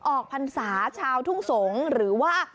ออกพันศาชาวทุ่งสงหรือว่า